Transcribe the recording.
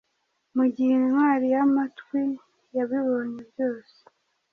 mugihe intwari yamatwi yabibonye byose